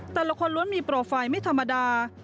แต่ละคนล้วนมีโปรไฟล์ไม่ธรรมดา